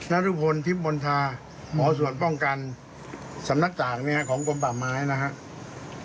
หมอส่วนป้องกันสำนักศึกษาของกรมป่าม้ายนะครับ